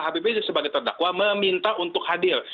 habibie sebagai terdakwa meminta untuk hadir